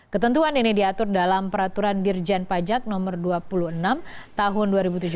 ketentuan ini diatur dalam peraturan dirjen pajak no dua puluh enam tahun dua ribu tujuh belas